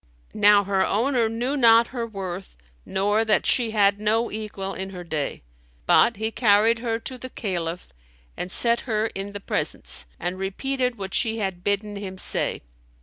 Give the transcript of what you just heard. Now her owner knew not her worth nor that she had no equal in her day; but he carried her to the Caliph and set her in the presence and repeated what she had bidden him say.